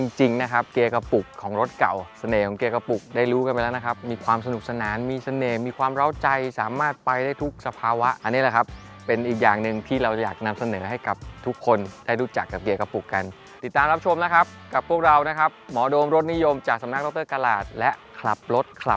จริงนะครับเกียร์กระปุกของรถเก่าเสน่ห์ของเกียร์กระปุกได้รู้กันไปแล้วนะครับมีความสนุกสนานมีเสน่ห์มีความเล้าใจสามารถไปได้ทุกสภาวะอันนี้แหละครับเป็นอีกอย่างหนึ่งที่เราอยากนำเสนอให้กับทุกคนได้รู้จักกับเกียร์กระปุกกันติดตามรับชมนะครับกับพวกเรานะครับหมอโดมรถนิยมจากสำนักดรตลาดและขับรถคลับ